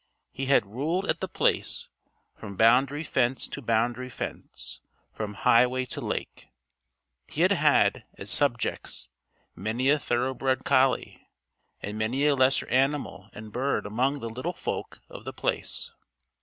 He had ruled at The Place, from boundary fence to boundary fence, from highway to Lake. He had had, as subjects, many a thoroughbred collie; and many a lesser animal and bird among the Little Folk of The Place.